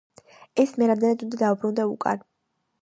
ეს მერამდენედ უნდა დავბრუნდე უკან